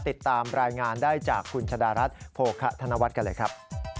ติดตามรายงานได้จากคุณชะดารัฐโภคะธนวัฒน์กันเลยครับ